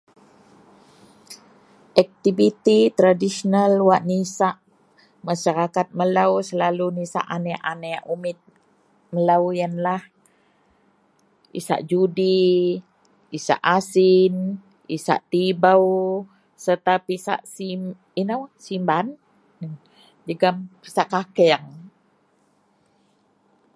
Aktiviti tradisional wak nisak masarakat melou selalu nisak aneak-aneak umit melou yenlah isak judi, isak asin, isak tibou sereta pisak sin inou sinban jegem pisak kakeang,